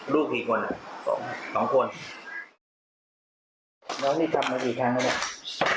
ลูกกี่คนสองสองคนแล้วนี่ทำมากี่ครั้งแล้วเนี้ย